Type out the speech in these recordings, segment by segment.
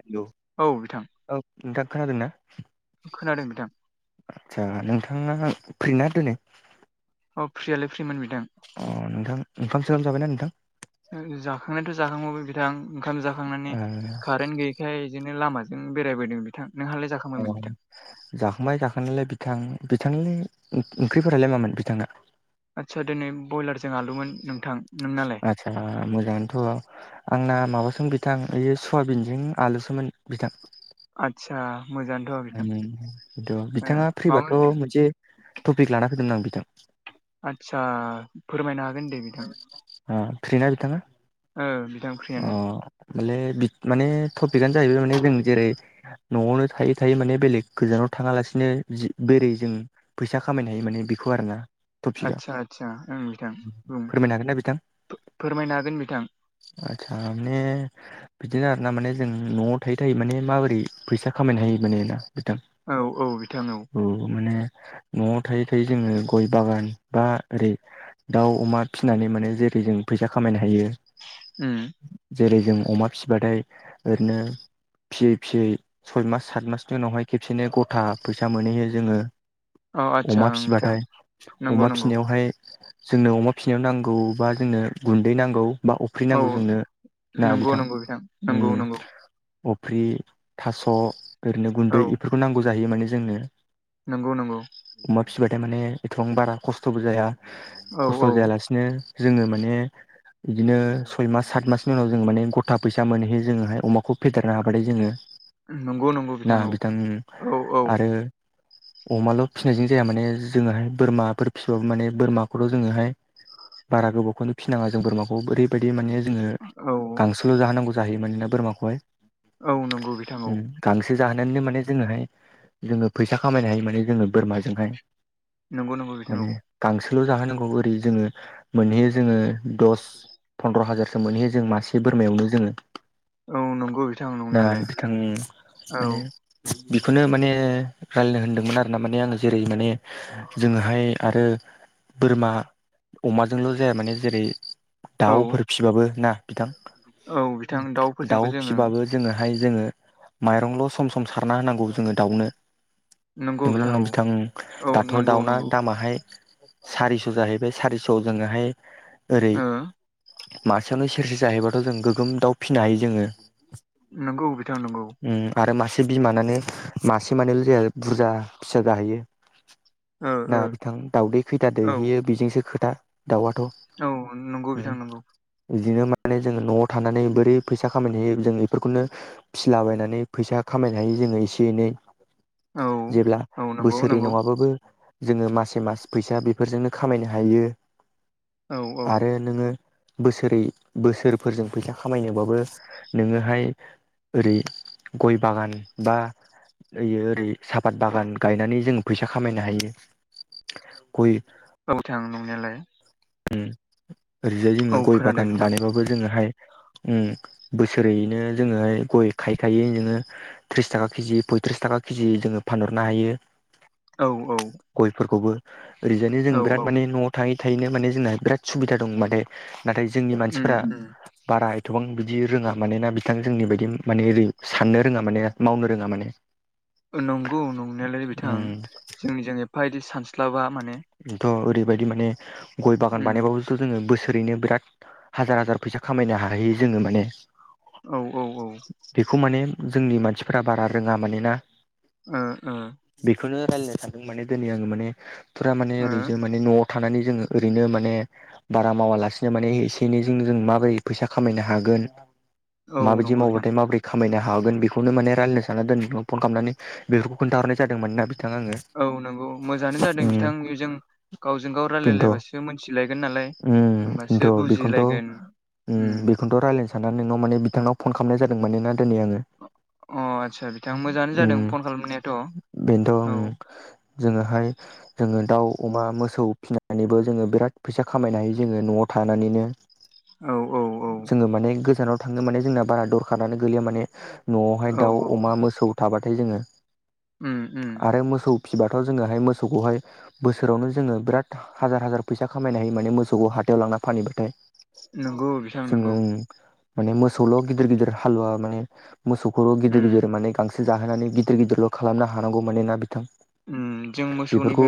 हेल'! औ बिथां। औ नोंथां खोनादोंना? खोनादों नोंथां। आचसा नोंथाङा फ्रिना दिनै? अ फ्रियालाय फ्रिमोन बिथां। अ नोंथां [unintelligible] जाबायना नोंथां? जाखांनायाथ' जाखांबायमोन बिथां ओंखाम जाखांनानै कारेन्ट गैयै नै जोंनो लामाजों बेरायबोदों बिथां नोंहालाय जाखां अ जाखांबाय जाखांनायलाय बिथां। बिथांनि ओंख्रिफोरालाय मामोन बिथांना? आदसा दिनै बयलारजों आलुमोन नोंथां। नोंनालाय आत्सा मोजाङानोथ' आंना माबासोमोन बिथां ओयो सवाबिनजों आलुसोमोन बिथां। आदसा मोजाङानोथ' बिथां उम ओ बिथाङा माबा फ्रिबाथ' मोनसे टपिक लाना फैदों आं बिथां। आदसा फोरमायनो हागोन दे बिथां। ओ फ्रि ना बिथाङा? ओ बिथां अ फ्रियानो माले माने माने टपिकआनो जाहैबाय माने जों जेरै न'आवनो थायै थायै माने बेलेग गोजानाव थाङालासिनो बोरै जों फैसा खामायनो हायो माने बेखौ आरोना। टपिकआ आदसा आदसा ओं बिथां बुं फोरमायनो हागोन ना बिथां फोरमायनो हागोन बिथां। आतसा मे बिदिनो आर ना माने जों न'आव थायो थायो माने माबोरै फैसा खामायनो हायो माने ना बिथां। औ औ बिथां औ न'आव थायै थायै जोङो गय बागान बा ओरै दाउ अमा फिनानै माने जेरै जों फैसा खामायनो हायो उम जेरै जों अमा फिसिबाथाय ओरैनो फियै फियै सय मास सात मासनि उनावहाय खेबसेनो गथा फैसा मोनहैयो जोङो। औ आदसा अमा ओं बिथां फिबाथाय नंगौ अमा नंगौ फिनायावहाय जोंनो अमा फिसिनायाव नांगौ बा जोंनो गुन्दै नांगौ बा अफ्रि औ नांगौ जोंनो ना नंगौ बिथां, नंगौ नंगौ नंगौ उम अफ्रि थास' ओरैनो औ गुन्दै बेफोरखौ नांगौ जाहैयो माने जोंनो। नंगौ नंगौ अमा फिसिबथाय माने एथबां बारा खस्थ'बो जाया औ खस्थ' औ जायालासि नो जोङो माने इदिनो सय मास, सात मासनि उनाव जों माने ग था फैसा मोनहैयो जोङोहाय अमाखौ फेदेरनो हाबाथाय जोङो। नंगौ नंगौ बिथां औ औ औ आरो अमाल' फिसिनायजों जाया माने जोङोहाय बोरमाफोर फिसिबाबो माने बोरमाखौथ' जोङोहाय बारा गोबावखौनो फिनाङा जों बोरमाखौ ओरैबाय दि माने जोङो औ गांसोल' जाहोनांगौ जाहैयो मानेना बोरमाखौहाय। औ नंगौ बिथां औ उम गांसो जाहोनानैनो माने जोङोहाय जोङो फैसा खामायनो हायो माने जोङो बोरमाजोंहाय नंगौ नंगौ बिथां औ माने गांसोल' जाहोनांगौ ओरै जोङो मोनहैयो जोङो दस फन्द्र' हाजारसो मोनहैयो जों मासे बोरमायावनो जोङो। औ नंगौ बिथां ना नंनायालाय बिथांनि औ माने बेखौनो माने रायलायनो होनदोंमोन आरोना माने आङो जेरै माने जोङोहाय आरो बोरमा अमाजोंल' जाया माने जेरै औ दाउफोर फिबाबो ना बिथां औ बिथां दाउफोरजोंबो दाउ जोङो फिबाबो जोङोहाय जोङो माइरंल' सम सम सारना होनांगौ जोङो दाउनो। नंगौ नोंगौना नोङा औ बिथां उम औ दाथ' नंगौ दाउना नंगौ दामाहाय सारिस' जाहैबाय सारिस'आव जोङोहाय ओरै ओ मासेयावनो सेरसेे जाहैबाथ' जों गोगोम दाउ फिनो हायो जोङो नंगौ बिथां नंगौ उम आरो मासे बिमानानो मासे मानैल' जाया बुरजा फिसा जाहैयो। ओ ना ओ बिथां दाउदै खैथा औ दैहैयो बेजोंसो खोथा दाउआथ'। औ नंगौ उम बिथां नंगौ। बिदिनो माने जोङो न'आव थानानै बोरै फैसा खामायनो हायो जों बेफोरखौनो फिसिलाबायनानै फैसा खामायनो हायो जोङो एसे एनै। औ जेब्ला औ नंगौ बोसोरै नंगौ नङाबाबो जोङो मासे मास फैसा बेफोरजोंनो खामायनो हायो औ औ आरो नोङो बोसोरै बोसोरफोरजों फैसा खामायनोबाबो नोङोहाय ओरै गय बागान बा ओयो ओरै साफात बागान गायनानै जोङो फैसा खामायनो हायो गय औथां नंनायालाय। उम ओरैजाय औ जोङो गय खोनादों बागान बिथां बानायबाबो जोङोहाय उम बोसोरैनो जोङोहाय गय खायखाय जोङो थ्रिस थाखा केजि पयथ्रिस थाखा केजि जोङो फानहरनो हायो औ औ गयफोरखौबो ओरैजायनो जों औ औ बिराद माने न'आव थायै थायैनो माने जोंहा बिराद सुबिदा दं माने नाथाय जोंनि उम मानसिफोरा उम बारा एथ'बां बिदि रोङा मान ना बिथां जोंनि बायदि माने ओरै साननो रोङा माने मावनो रोङा माने नंगौ नंनायालाय बिथां उम जोंनिजों एफादि सानस्लाबा माने थ' ओरैबायदि माने गय बागान उम बानायबाबो जोङो बोसोरैनो बिराद हाजार हाजार फैसा खामायनो हाहैयो जोङो माने औ औ औ बेखौ माने जोंनि मानसिफोरा बारा रोङा मानोना ओ ओ बेखौनो रायलायनो सानदों माने दिनै आङो माने फुरा माने ओरैज माने न'आव थानानै जोङो ओरैनो माने बारा मावालासिनो माने एसे एनैजोंनो जों माबोरै फैसा खामायनो हागोन औ माबायदि नंगौ बिथां मावबाथाय माबोरायै खामायनो हागोन बेखौनो माने रायलायनो साननानै दोन नोंनाव फन खालामनानै बेफोरखौ खोनथाहरनाय जादोंमोनोना बिथां आङो औ नंगौ मोजाङानो जादों उम बिथांनिजों गावजों गाव बेनोथ' रायलायलायबासो मिथिलायगोन नालाय उम होमबासो बुजिलायगोन ओम बेखौथ' रायलायनो साननानै नोंनाव माने बिथांनाव फन खालामनाय जादों माने ना दिनै आङो अ आदसा बिथां मोजाङानो उ जादों फन खालामनायाथ' औ बेनोथ ओ जोङोहाय जोङो दाउ अमा मोसौ फिनानैबो जोङो बिराद फैसा खामायनो हायो जोङो न'आव थानानैनो औ औ जोङो माने गोजानाव थाङनो माने जोंना बारा दरखारानो गोलैया माने न'आवहाय औ दाउ अमा मोसौ थाबाथाय जोङो उम उम आरो मोसौ फिबाथ'ङोहाय मोसौखौहाय बोसोरावनो जोङो बिराद हाजार हाजार फैसा खामायनो हायो माने मोसौखौ हाथायाव लांना फानहबाथाय नंगौ बिथां नंगौ जोङो माने मोसौल' गिदिर गिदिर हालुवा माने मोसौखौल' गिदिर उम गिदिर माने गांसो जाहोनानै गिदिर गिदिरल' खालामनो हानांगौ माने ना बिथां ओम जों मोसौनि खौ ओ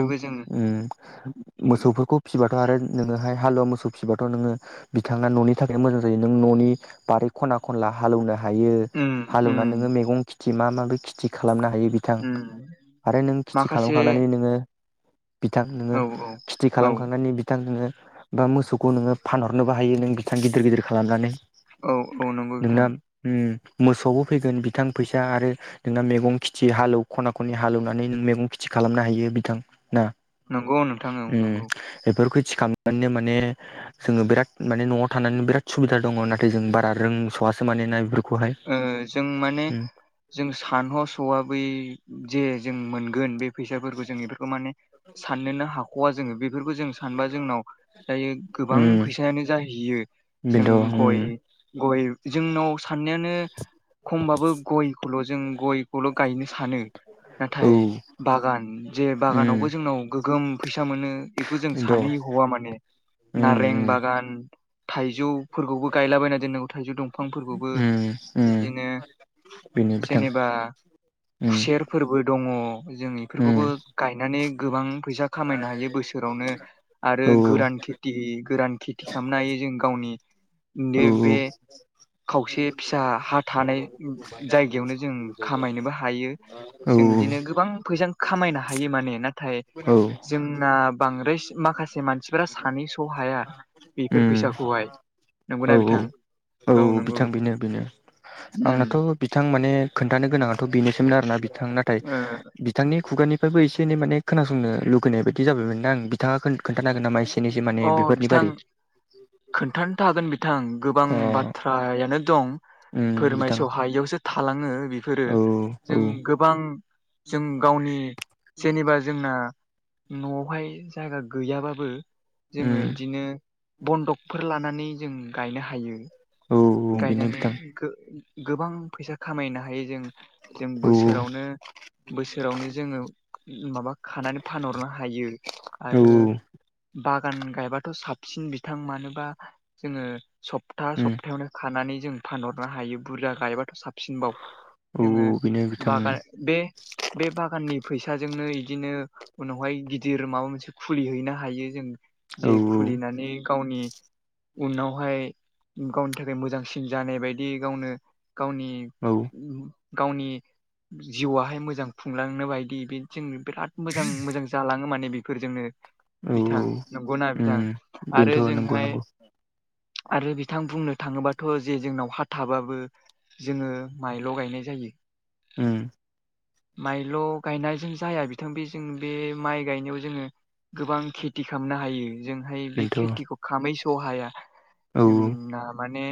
मोसौफोरखौ फिसिबाथ' आरो नोङोहाय हालुवा मोसौ फिसिबाथ' नोङो बिथाङा न'नि थाखाय मोजां जायो नों न'नि बारि खना खनला हालौनो हायो उम उम हालेवना नोङो मैगं खेथि मा माबि खिथि खालामनो हायो बिथां उम आरो नों खेथि माखासे खालामखांनानै नोङो बिथां नोङो औ औ फिथि औ खालामखांनायनि बिथां नोङो बा मोसौखौ नोङो फानहरनोबो हायो नों बिथां गिदिर गिदिर खालामनानै औ औ नंगौ बिथां ओ मोसौबो फैगोन बिथां फैसा आरो नोंना मैगं खेथि हालौ खना खन हालेवनानै मैगं खेथि खालामनो हायो बिथां ना नंगौ नोंथां औ नंगौ बेफोरखौ थिखांनानैनो माने जोङो बिराद माने न'आव थानानै बिराद सुबिदा दङ नाथाय जों बारा रोंस' आसो मानोना बेफोरखौहाय ओ जों माने उम जों सानहसवा बै जे जों मोनगोन बे फैसाफोरखौ जों इफोरखौ माने साननोनो हाख खवा जोङो बेफोरखौ जों सानबा जोंनाव दायो गोबां उम फैसायानो जाहैयो जों बेनोथ' उम गय गय जोंनाव साननायानो खमबाबो गयखौल' जों गय खौल' गायनो सानो नाथाय औ बागान जे उम बागानावबो जोंनाव गोगोम फैसा मोनो बेखौ जों सानै बेनोथ' हवा माने उम नारें उम बागान थाइजौ फोरखौबो गायलाबायना दोननांगौ थाइजौ दंफांफोरखौबो उम उम बिदिनो बेनो बिथां जेनेबा उम खुसेर फोरबो दङ जों उम इफोरखौबो गायनानै गोबां फैसा खामायनो हायो बोसोरावनो आरो औ गोरान खेथि गोरान खेथि खामनो हायो जों गावनि औ नो बे खावसे फिसा हा थानाय जायगायावनो जों खामायनोबो हायो। औ जों इदिनो गोबां फैसा खामायनो हायो माने नाथाय औ। जोंना बांद्राय माखासे मानसिफोरा सानैस' हाया बेफोर उम फैसाखौहाय। औ नंगौना औ बिथां? औ बिथां बेनो बेनो। उम आंनाथ' बिथां माने खोन्थानो गोनाङाथ' बेनोसोमोन आरोना बिथां नाथाय बि बिथांनि खुगानिफ्रायबो एसे एनै माने खोनासंनो लुगैनाय बायदि जाबायमोनदा आं बिथाङा खोन-खोन्थानो होगोन नामा एसे? एनैसो माने अ बेफोरनि बिथां बारै खोन्थानोथ' हागोन बिथां गोबां अ बाथ्रायानो दं। उम बिथां फोरमायस' हायियावसो थालाङो बि फोरो औ औ जों गोबां जों गावनि जेनेबा जोंना न'आवहाय जागा गैयाबाबो जोङो उम इदिनो बन्दकफोर लानानै जों गायनो हायो। औ औ बेनो गायनानै बिथां गो-गोबां फैसा खामायनो हायो जों जों औ बोसोरावनो बोसोरावनो जोङो माबा खानानै फानहरनो हायो औ आरो बा गान गायबाथ' साबसिन बिथां मानोबा जोङो सप्ता उम सप्तायावनो खानानै जों फानहरनो हायो बुरजा गायबाथ' साब सिनबाव औ जोङो औ बेनो बिथां बागान बे बे बागाननि फैसाजोंनो इदिनो उनावहाय गिदिर माबा मोनसे खुलिहैनो हायो जों औ जे खुलिनानै गावनि उनावहाय गावनि थाखाय मोजांसिन जानाय बायदि गावनो गावनि औ। गावनि जिउवाहाय मोजां खुंलांनो बायदि बे जों बिराद मोजां मोजां जालाङो माने बेफोरजोंनो। बिथां नंगौना उम बिथां आरो बेनोथ' नंगौ जोंहाय नंगौ आरो बिथां बुंनो थाङोबाथ' जे जोंनाव हा थाबाबो जोङो माइल' गायनाय जायो। उम माइल' गायनायजों जाया बिथां बे जों बे माइ गायनायाव जोङो गोबां खेथि खामनो हायो जोंहाय बे बेनोथ' खेथिखौ खामै सहाया। औ जोंना माने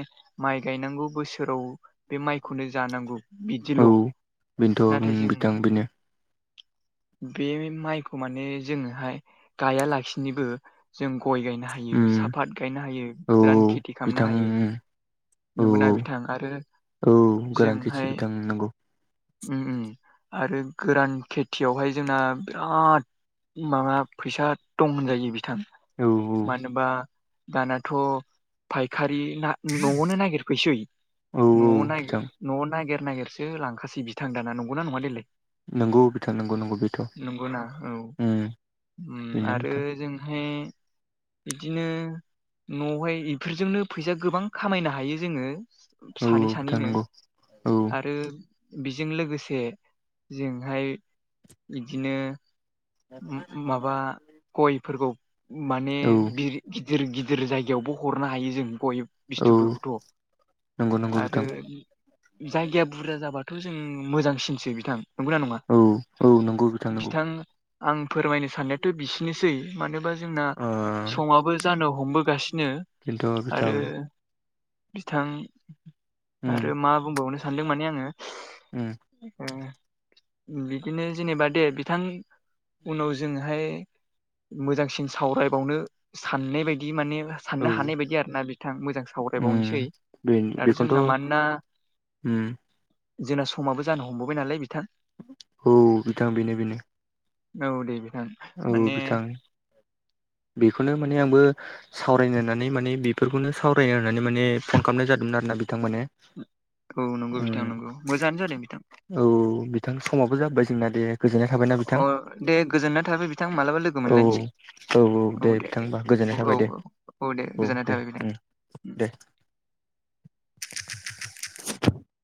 माइ गायनांगौ बोसोराव बे माइखौनो जानांगौ औ बिदिल' बेनोथ' उम नाथाय जों बिथां बेनो बे माइखौ माने जोङोहाय गायालासिनोबो जों गय गायनो उम हायो, साफात गायनो हायो, औ गोरान खेथि बिथां खालामनो उम हायो। औ नोंगौना औ बिथां? आरो जोंहाय उम नोंगौ। उम उम आरो गोरान खेथियावहाय जोंना बिराद माबा फैसा दं होनजायो बि थां औ मानोबा दानाथ' फायखारि ना न'आवनो नागिरफैसै औ औ न'आव बिथां ना-न'आव नागिर नागिरसो लांखासै बिथां दाना नंगौना नङा देलाय? नंगौ बिथां नंगौ नंगौ बेथ' नंगौना औ उम। उम बेनो आरो बिथां जोंहाय बिदिनो न'आवहाय इफोरजोंनो फैसा गोबां खामायनो हायो जोङो औ सानै बिथां सानैनो नंगौ औ आरो। बिजों लोगोसे जोंहाय बिदिनो माबा [unintelligible] गयफोरखौ माने औ बिर-गिदिर गिदिर जायगायावबो हरनो हायो जों गय औ बिस्थुफोरबोथ' नंगौ नंगौ आरो। बिथां जायगाया बुरजा जाबाथ' जों मोजांसिनसो बिथां। नंगौना नङा औ औ नंगौ नंगौ बिथां आं फोरमायनो सानो। बिसिनोसै मानोबा जोंना ओ सङाबो जानो हमबोगासिनो। ओ आरो बिथां। बिथां उम आरो मा बुंबावनो सानदों माने आङो। उम। ए बिदिनो जेनेबा दे बिथां। उनाव जोंहाय मोजांसिन सावरायबावनो। साननाय बायदि माने औ साननो हानाय बायदि आरोना बिथां मोजां उम सावरायबावनोसै। बे दाथ' जोंना बेखौनोथ' मानो ना। उम। जोंना समाबो जानो हमबोबाय नालाय बिथां। औ बिथां बेनो बेनो। औ दे बिथां। औ माने बिथां बेखौनो माने आंबो। सावरायनो होननानै माने बेफोरखौनो सावराया होननानै माने फन खालामनाय जादोंमोन आरोना बिथांमोने। औ नंगौ बिथां नंगौ मोजाङानो जादों बिथां। औ बिथां समाबो जाबाय जोंना दे गोजोननाय थाबायना अ बिथां। दे गोजोननाय थाबाय बिथां मालाबा लोगो औ मोनलायनोसै। औ औ दे बिथां हमबा औ गोजोननाय औ थाबाय दे दे औ गोजोननाय दे थाबाय बिथां उम दे।